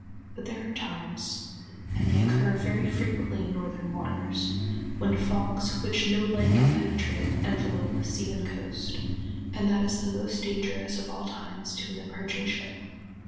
] But there are times—and they occur very frequently in northern waters—when fogs which no light can penetrate envelop sea and coast, and that is the most dangerous of all times to an approaching ship.